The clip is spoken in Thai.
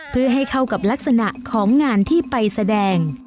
เพื่อให้เข้ากับลักษณะของงานที่ไปแสดง